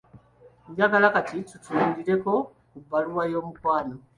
Njagala kati tutunuulireko ku bbaluwa y'omukwano.